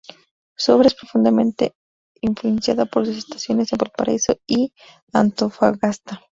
Su obra es profundamente influenciada por sus estancias en Valparaíso y Antofagasta.